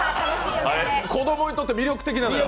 子供にとって魅力的なのよ。